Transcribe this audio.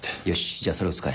じゃあそれを使え。